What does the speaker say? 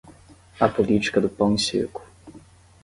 A política do pão e circo